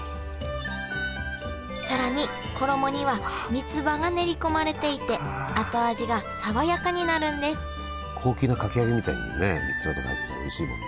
更に衣には三葉が練り込まれていて後味が爽やかになるんです高級なかき揚げみたいにね三葉とか入ってたらおいしいもん。